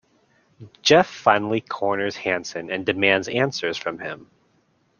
Jeff finally corners Hanson and demands answers from him.